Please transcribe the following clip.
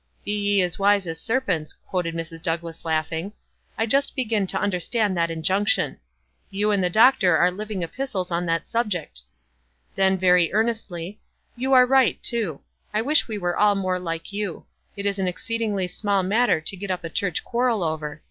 "Bo ye as wise as serpents,'" quoted Mrs. Douglass, laughing. "I just begin to under stand that injunction. You and tho d •< for nre 56 WISE AND OTHERWISE. living epistles on that subject." Then very earnestly, "You are right, too. I wish we were all more like you. It is an exceedingly small matter to get up a church quarrel over.